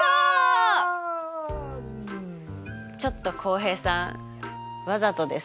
ちょっと浩平さんわざとですか？